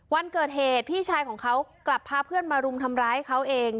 วันเกิดเหตุพี่ชายของเขากลับพาเพื่อนมารุมทำร้ายเขาเอง